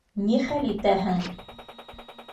Ни хәл итәһең